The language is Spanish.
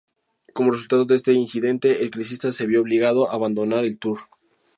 Como resultado de este incidente el ciclista se vio obligado a abandonar el Tour.